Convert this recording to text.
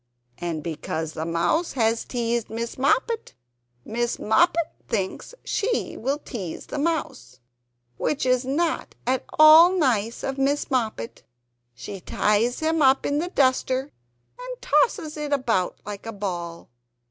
And because the Mouse has teased Miss Moppet Miss Moppet thinks she will tease the Mouse, which is not at all nice of Miss Moppet. She ties him up in the duster and tosses it about like a ball.